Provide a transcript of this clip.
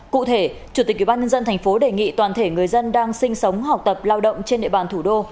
cụ thể chủ tịch ubnd tp đề nghị toàn thể người dân đang sinh sống học tập lao động trên địa bàn thủ đô